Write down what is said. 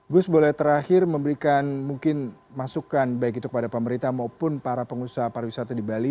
gus boleh terakhir memberikan mungkin masukan baik itu kepada pemerintah maupun para pengusaha pariwisata di bali